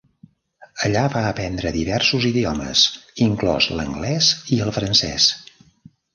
Allà va aprendre diversos idiomes, inclòs l'anglès i el francès.